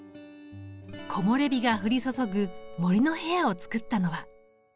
木漏れ日が降り注ぐ「もりのへや」を作ったのは。